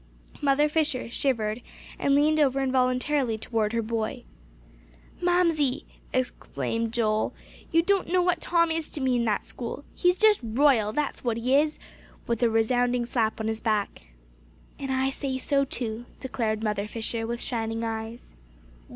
Mother Fisher shivered, and leaned over involuntarily toward her boy. "Mamsie," exclaimed Joel, "you don't know what Tom is to me, in that school. He's just royal that's what he is!" with a resounding slap on his back. "And I say so too," declared Mother Fisher, with shining eyes.